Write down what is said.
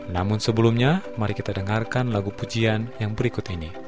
namun sebelumnya mari kita dengarkan lagu pujian yang berikut ini